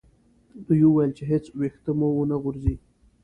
دوی وویل چې هیڅ ویښته مو و نه غورځي.